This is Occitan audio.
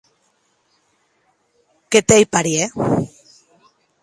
Que t’ei parièr.